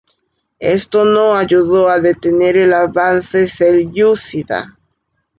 Esto no ayudó a detener el avance selyúcida.